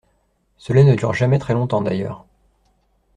Cela ne dure jamais très longtemps, d’ailleurs.